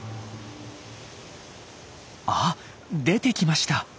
あっ出てきました。